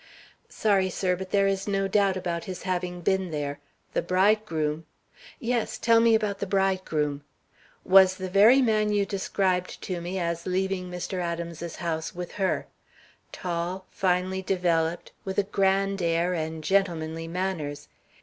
"Sorry, sir, but there is no doubt about his having been there. The bridegroom " "Yes, tell me about the bridegroom." "Was the very man you described to me as leaving Mr. Adams's house with her. Tall, finely developed, with a grand air and gentlemanly manners.